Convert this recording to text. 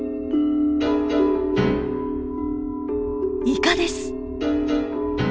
イカです！